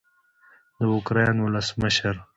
د اوکراین ولسمشر